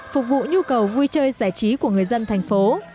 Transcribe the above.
phục vụ nhu cầu vui chơi giải trí của người dân thành phố